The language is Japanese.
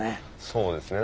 そうですよね。